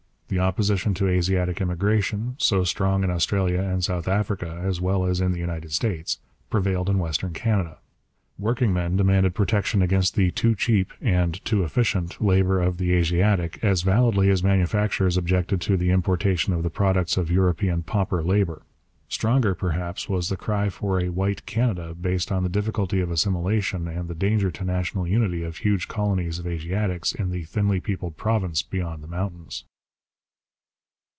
The opposition to Asiatic immigration, so strong in Australia and South Africa as well as in the United States, prevailed in Western Canada. Working men demanded protection against the too cheap and too efficient labour of the Asiatic as validly as manufacturers objected to the importation of the products of European 'pauper labour.' Stronger, perhaps, was the cry for a White Canada based on the difficulty of assimilation and the danger to national unity of huge colonies of Asiatics in the thinly peopled province beyond the mountains.